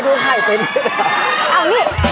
ดูไข่เป็นเหรอ